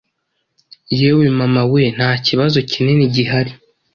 Yewe mama we, nta kibazo kinini gihari,